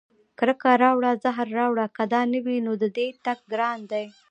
کرکه راوړه زهر راوړه که دا نه وي، نو د دې تګ ګران دی